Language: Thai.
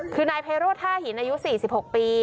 คือนายไพโรธท่าหินอายุ๔๖ปี